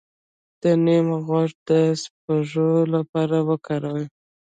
د نیم غوړي د سپږو لپاره وکاروئ